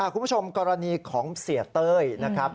คุณผู้ชมกรณีของเสียเต้ยนะครับ